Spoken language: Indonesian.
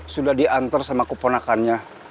sudah dianter sama kuponakannya